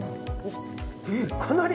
えっかなり。